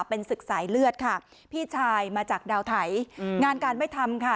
เป็นศึกสายเลือดค่ะพี่ชายมาจากดาวไทยงานการไม่ทำค่ะ